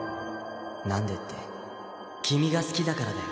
何でって君が好きだからだよ